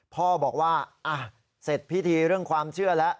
พ่อบอกว่าเสร็จพิธีเรื่องความเชื่อแล้ว